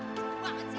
seru banget sih